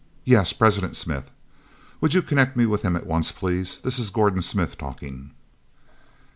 "Yes, President Smith.... Would you connect me with him at once, please? This is Gordon Smith talking."